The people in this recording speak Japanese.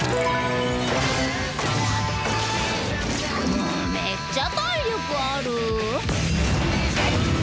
もうめっちゃ体力ある。